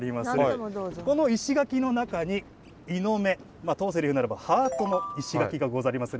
この石垣の中に猪目まあ当世で言うならばハートの石垣がござりまする。